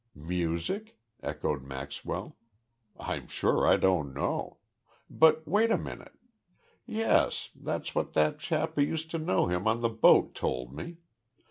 "Music?" echoed Maxwell. "I'm sure I don't know.... But wait a minute! Yes, that's what that chap who used to know him on the boat told me.